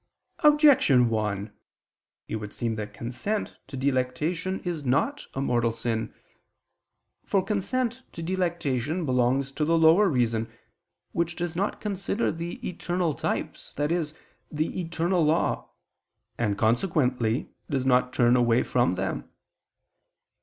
Objection 1: It would seem that consent to delectation is not a mortal sin, for consent to delectation belongs to the lower reason, which does not consider the eternal types, i.e. the eternal law, and consequently does not turn away from them.